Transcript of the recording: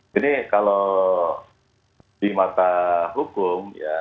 jadi kalau di mata hukum ya